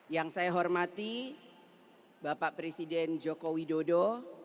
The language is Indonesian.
yang saya hormati bapak presiden joko widodo